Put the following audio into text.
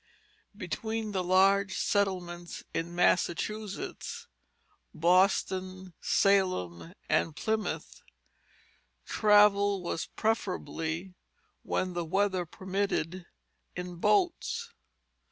Between the large settlements in Massachusetts Boston, Salem, and Plymouth travel was preferably, when the weather permitted, in boats.